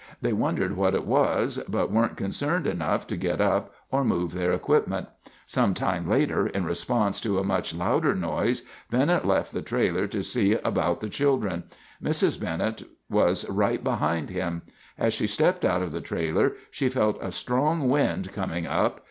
They wondered what it was, but weren't concerned enough to get up or move their equipment. Some time later, in response to a much louder noise, Bennett left the trailer to see about the children. Mrs. Bennett was right behind him. As she stepped out of the trailer, she felt a strong wind coming up.